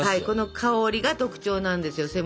この香りが特徴なんですよ